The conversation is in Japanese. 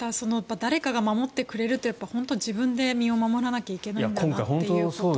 誰かが守ってくれる本当に自分で身を守らないといけないんだなということを。